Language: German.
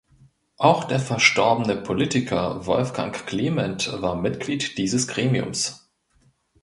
Auch der verstorbene Politiker Wolfgang Clement war Mitglied dieses Gremiums.